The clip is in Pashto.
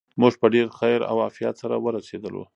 موږ په ډېر خیر او عافیت سره ورسېدو.